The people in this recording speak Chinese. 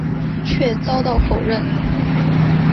却遭到否认。